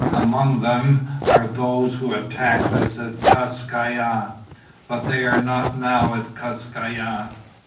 Among them are those who attacked us at Kas Kai Ya. But they are not now at Kas Kai Ya.